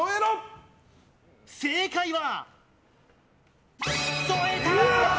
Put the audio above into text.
正解は。